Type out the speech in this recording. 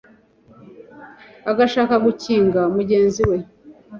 agashaka gukinga mugenzi we